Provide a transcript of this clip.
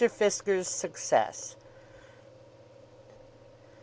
FISKER'S SUCCESS. Mr.